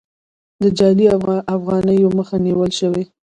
د جعلي افغانیو مخه نیول شوې؟